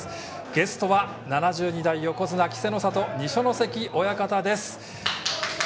ゲストは７２代横綱・稀勢の里二所ノ関親方です。